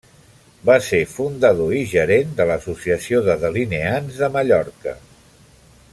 Va ser fundador i gerent de l'Associació de Delineants de Mallorca.